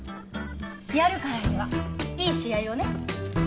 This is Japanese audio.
やるからにはいい試合をね。